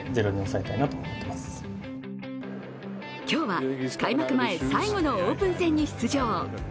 今日は開幕前、最後のオープン戦に出場。